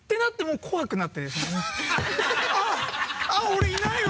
俺いないわ。